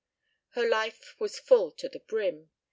Her life was full to the brim.